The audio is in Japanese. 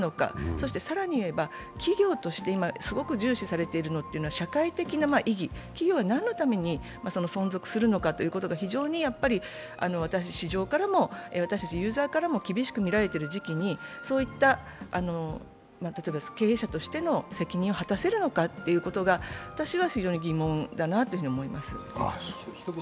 そして更に言えば、企業として今すごく重視されているのかというのは、社会的な意義、企業は何のために存続するのかということが非常に市場からも、私たちユーザーからも厳しく見られている時期にそういった経営者としての責任を果たせるのか私は非常に疑問だなというふうに思います。